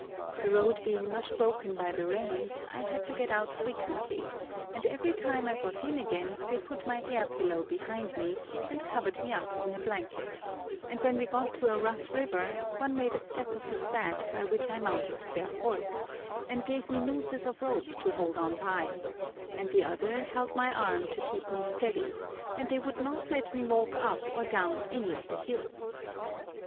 The road being much broken by the rains I had to get out frequently, and every time I got in again they put my air pillow behind me, and covered me up in a blanket; and when we got to a rough river, one made a step of his back by which I mounted their horse, and gave me nooses of rope to hold on by, and the other held my arm to keep me steady, and they would not let me walk up or down any of the hills.